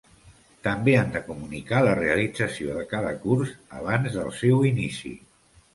També han de comunicar la realització de cada curs abans del seu inici.